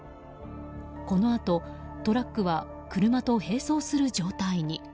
このあと、トラックは車と並走する状態に。